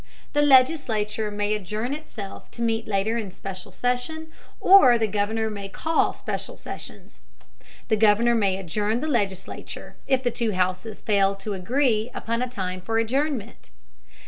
The legislature may adjourn itself to meet later in special session, or the Governor may call special sessions. The Governor may adjourn the legislature, if the two houses fail to agree upon a time for adjournment.